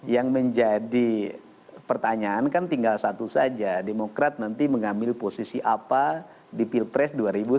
yang menjadi pertanyaan kan tinggal satu saja demokrat nanti mengambil posisi apa di pilpres dua ribu sembilan belas